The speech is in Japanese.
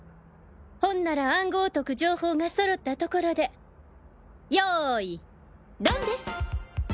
ほんなら暗号を解く情報が揃ったところでよいドンです！